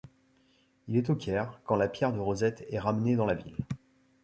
Il est au Caire quand la pierre de Rosette est ramenée dans la ville.